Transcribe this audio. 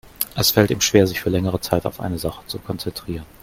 Es fällt ihm schwer, sich für längere Zeit auf eine Sache zu konzentrieren.